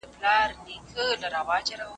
رسالت انسانانو ته سمه لاره ښيي.